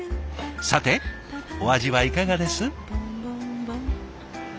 さてお味はいかがです？